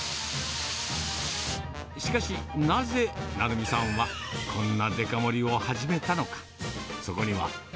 しかし、なぜ成美さんは、こんなデカ盛りを始めたのか。